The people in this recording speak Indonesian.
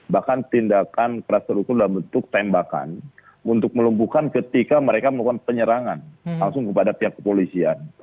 bahkan tindakan keras terukur dalam bentuk tembakan untuk melumpuhkan ketika mereka melakukan penyerangan langsung kepada pihak kepolisian